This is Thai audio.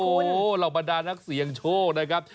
โอ้โหเรามาด่านักเสียงโชคนะครับ